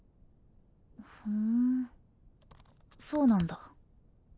ふーんそうなんだ。